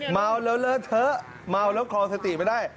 เม้าแล้วเลิกเทอะเม้าแล้วคลอดสตีกไม่ได้